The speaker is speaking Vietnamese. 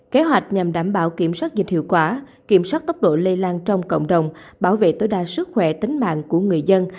kế hoạch nhằm đảm bảo kiểm soát dịch hiệu quả kiểm soát tốc độ lây lan trong cộng đồng bảo vệ tối đa sức khỏe tính mạng của người dân